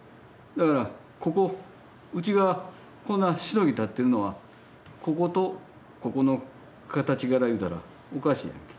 だからここ内側こんなしのぎ立ってるのはこことここの形からいうたらおかしいんやけ。